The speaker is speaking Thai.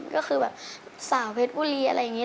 ก็คือแบบสาวเพชรบุรีอะไรอย่างนี้